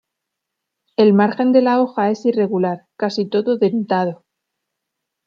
El margen de la hoja es irregular, casi todo dentado.